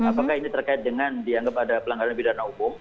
apakah ini terkait dengan dianggap ada pelanggaran pidana umum